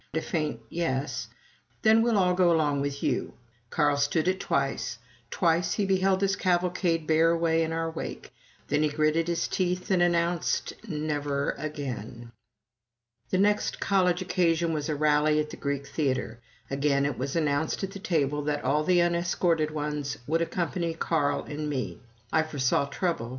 A faint "Yes." "Then we'll all go along with you." Carl stood it twice twice he beheld this cavalcade bear away in our wake; then he gritted his teeth and announced, "Never again!" The next college occasion was a rally at the Greek Theatre. Again it was announced at the table that all the unescorted ones would accompany Carl and me. I foresaw trouble.